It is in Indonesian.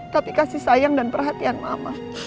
tapi kasih sayang dan perhatian mama